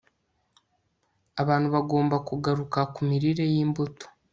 Abantu bagomba kugaruka ku mirire yimbuto